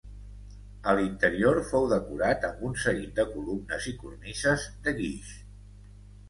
A l'interior fou decorat amb un seguit de columnes i cornises de guix.